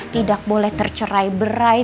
tidak boleh tercerai berai